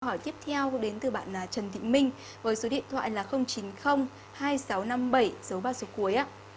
hỏi tiếp theo đến từ bạn trần thị minh với số điện thoại là chín mươi hai nghìn sáu trăm năm mươi bảy dấu ba số cuối